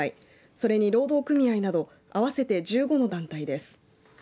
それに労働組合など合わせて１５の団体です。